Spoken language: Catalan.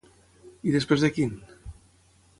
I després de quin?